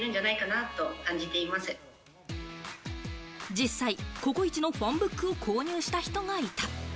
実際、ココイチのファンブックを購入した人がいた。